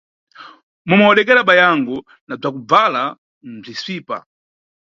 Momwe wadekera bayangu, na bzakubvala bzisvipa.